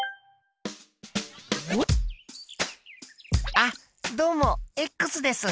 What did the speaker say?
あっどうもです。